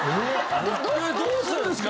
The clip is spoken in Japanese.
どうするんですか？